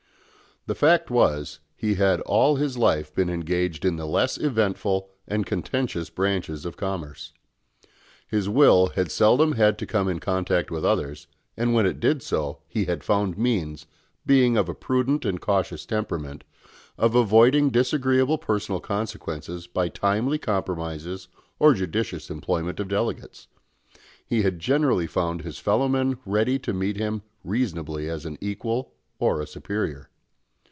The fact was, he had all his life been engaged in the less eventful and contentious branches of commerce. His will had seldom had to come in contact with others, and when it did so, he had found means, being of a prudent and cautious temperament, of avoiding disagreeable personal consequences by timely compromises or judicious employment of delegates. He had generally found his fellow men ready to meet him reasonably as an equal or a superior.